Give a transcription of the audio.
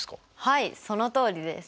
はいそのとおりです。